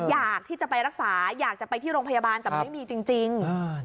อยากที่จะไปรักษาอยากจะไปที่โรงพยาบาลแต่มันไม่มีจริง